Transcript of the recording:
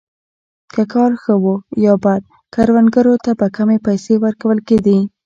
که کال ښه وو یا بد کروندګرو ته به کمې پیسې ورکول کېدې.